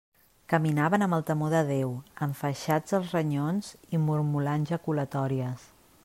Caminaven amb el temor de Déu, enfaixats els renyons i mormolant jaculatòries.